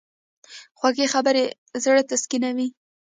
خوږې خبرې زړه تسکینوي.